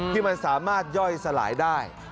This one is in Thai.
ที่มันสามารถย่อยสลายได้